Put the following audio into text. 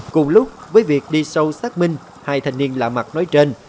cùng lúc với việc đi sâu xác minh hai thanh niên lạ mặt nói trên